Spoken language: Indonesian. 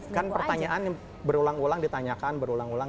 jadi kan pertanyaan berulang ulang ditanyakan berulang ulang